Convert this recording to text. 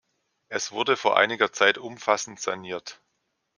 Es wurde vor einiger Zeit umfassend saniert.